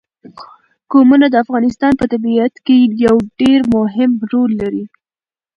قومونه د افغانستان په طبیعت کې یو ډېر مهم رول لري.